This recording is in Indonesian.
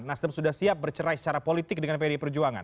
nasdem sudah siap bercerai secara politik dengan pdi perjuangan